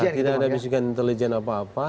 tidak ada bisikan intelijen apa apa